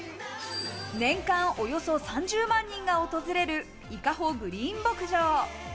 年間およそ３０万人が訪れる伊香保グリーン牧場。